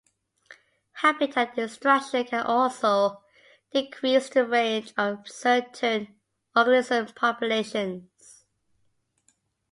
Habitat destruction can also decrease the range of certain organism populations.